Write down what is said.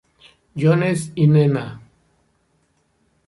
Jones" y "Nena".